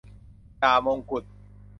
จ่ามงกุฎ